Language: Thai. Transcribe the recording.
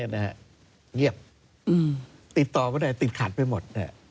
เงียบติดต่อไม่ได้ติดขัดไปหมด